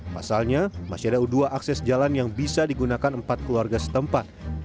pasalnya masih ada dua akses jalan yang bisa digunakan empat keluarga setempat